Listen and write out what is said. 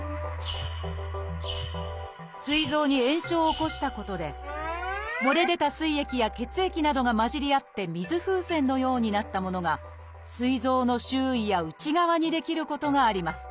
すい臓に炎症を起こしたことで漏れ出たすい液や血液などが混じり合って水風船のようになったものがすい臓の周囲や内側に出来ることがあります。